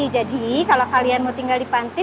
jadi kalau kalian mau tinggal di panti